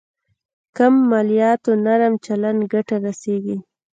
کم مالياتو نرم چلند ګټه رسېږي.